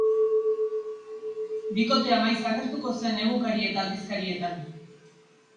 Bikotea maiz agertuko zen egunkari eta aldizkarietan.